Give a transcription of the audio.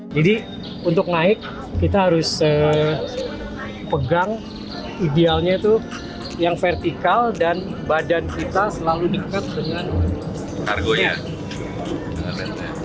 jadi untuk naik kita harus pegang idealnya itu yang vertikal dan badan kita selalu dekat dengan